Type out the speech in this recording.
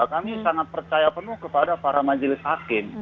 kami sangat percaya penuh kepada para majelis hakim